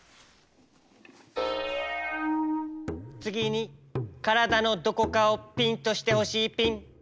つぎにからだのどこかをピンとしてほしいピン。